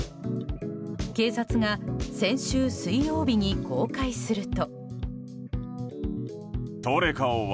警察が先週水曜日に公開すると。